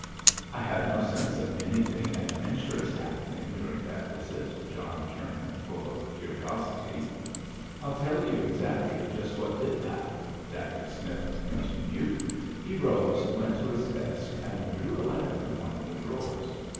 "I had no sense of anything adventurous happening during that visit," John returned, full of curiosity. "I'll tell you exactly just what did happen," Dacent Smith continued. He rose, went to his desk, and drew a letter from one of the drawers.